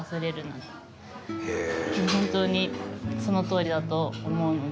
本当にそのとおりだと思うので。